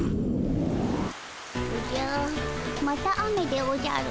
おじゃまた雨でおじゃる。